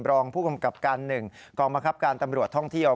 รองผู้กำกับการ๑กองบังคับการตำรวจท่องเที่ยว